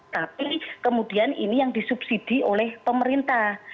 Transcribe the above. tapi kemudian ini yang disubsidi oleh pemerintah